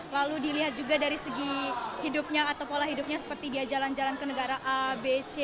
lalu dilihat juga dari segi hidupnya atau pola hidupnya seperti dia jalan jalan ke negara a b c